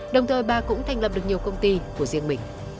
đồng thời bà cũng thành lập được nhiều công ty của riêng mình